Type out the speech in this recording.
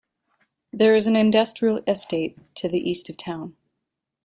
There is an industrial estate to the east of the town.